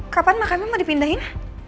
kapan makamnya mau dipindahin